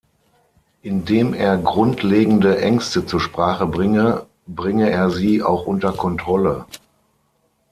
Indem er grundlegende Ängste zur Sprache bringe, bringe er sie auch unter Kontrolle.